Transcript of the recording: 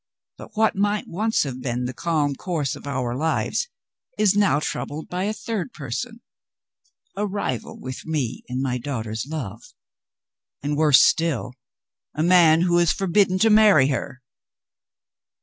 But what might once have been the calm course of our lives is now troubled by a third person a rival with me in my daughter's love and, worse still, a man who is forbidden to marry her.